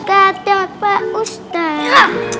kata pak ustadz